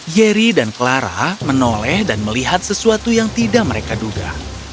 yeri dan clara menoleh dan melihat sesuatu yang tidak mereka duga